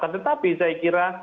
tetapi saya kira